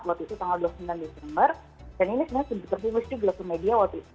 waktu itu tanggal dua puluh sembilan desember dan ini sebenarnya terbunuh di blog media waktu itu